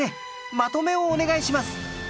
まとめをお願いします。